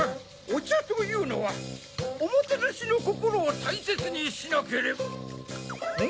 おちゃというのはおもてなしのこころをたいせつにしなければ。